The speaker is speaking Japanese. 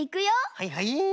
はいはい。